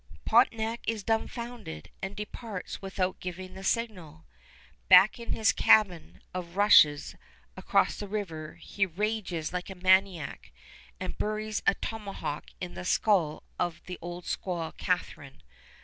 Pontiac is dumfounded and departs without giving the signal. Back in his cabin of rushes across the river he rages like a maniac and buries a tomahawk in the skull of the old squaw Catherine.